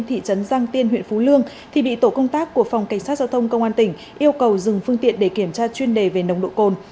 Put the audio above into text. thị trấn giang tiên huyện phú lương thì bị tổ công tác của phòng cảnh sát giao thông công an tỉnh yêu cầu dừng phương tiện để kiểm tra chuyên đề về nồng độ cồn